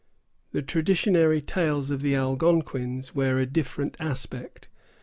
The traditionary tales of the Algonquins wear a different aspect.